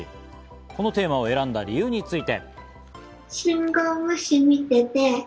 このテーマを選んだ理由について。